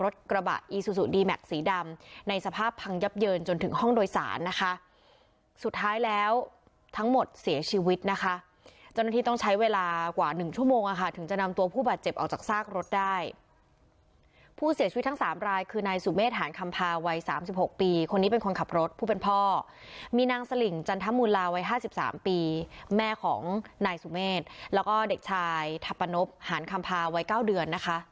ทั้งหมดเสียชีวิตนะคะจนทีต้องใช้เวลากว่าหนึ่งชั่วโมงอ่ะค่ะถึงจะนำตัวผู้บาดเจ็บออกจากซากรถได้ผู้เสียชีวิตทั้งสามรายคือนายสุเมฆหารคำภาวัยสามสิบหกปีคนนี้เป็นคนขับรถผู้เป็นพ่อมีนางสลิงจันทมูลาวัยห้าสิบสามปีแม่ของนายสุเมฆแล้วก็เด็กชายทัพประนบหารคำภาวัยเก้าเดื